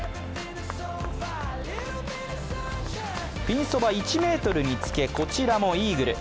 ピンそば１ｍにつけこちらもイーグル。